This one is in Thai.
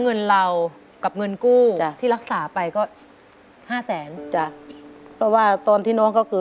เงินเก็บที่เก็บมาทั้งชีวิตเนี่ยนะคะ